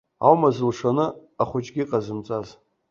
Аума зылшоны ахәыҷгьы ҟазымҵаз.